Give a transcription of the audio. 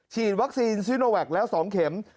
ฉีดวัคซีนซีโนแวคแล้ว๒เข็ม